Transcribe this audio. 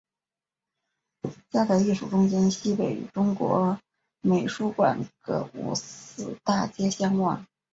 嘉德艺术中心西北与中国美术馆隔五四大街相望。